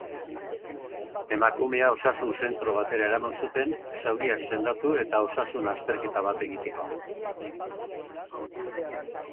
Emakumea osasun zentro batera eraman zuten zauriak sendatu eta osasun azterketa bat egiteko.